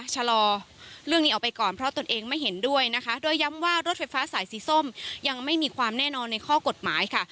ชะลอเรื่องนี้ออกไปก่อนเพราะตนเองไม่เห็นด้วยนะคะโดยย้ำว่ารถไฟฟ้าสายสีส้มยังไม่มีความแน่นอนในข้อกฎหมายค่ะ